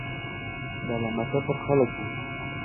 بەلەمەکە پڕ خەڵک بوو.